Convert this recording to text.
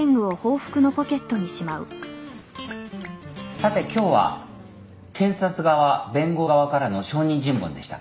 さて今日は検察側弁護側からの証人尋問でした。